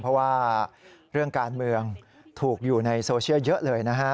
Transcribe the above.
เพราะว่าเรื่องการเมืองถูกอยู่ในโซเชียลเยอะเลยนะฮะ